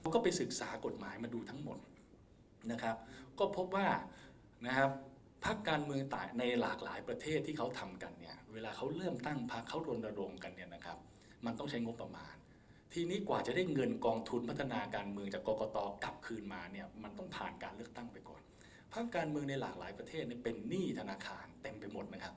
ก็ไปศึกษากฎหมายมาดูทั้งหมดนะครับก็พบว่านะครับพักการเมืองต่างในหลากหลายประเทศที่เขาทำกันเนี่ยเวลาเขาเริ่มตั้งพักเขารณรงค์กันเนี่ยนะครับมันต้องใช้งบประมาณทีนี้กว่าจะได้เงินกองทุนพัฒนาการเมืองจากกรกตกลับคืนมาเนี่ยมันต้องผ่านการเลือกตั้งไปก่อนพักการเมืองในหลากหลายประเทศเนี่ยเป็นหนี้ธนาคารเต็มไปหมดนะครับ